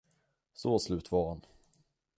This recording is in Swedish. Så slut var han.